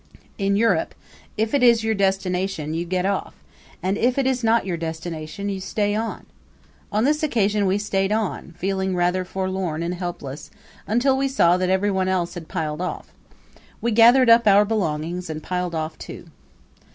In Europe if it is your destination you get off, and if it is not your destination you stay on. On this occasion we stayed on, feeling rather forlorn and helpless, until we saw that everyone else had piled off. We gathered up our belongings and piled off too.